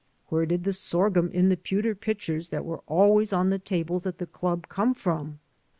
Where did the sorghum in the pewter pitchers that were always on the tables at the club come from?